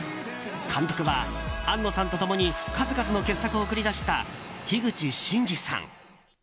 監督は庵野さんと共に数々の傑作を送り出した樋口真嗣さん。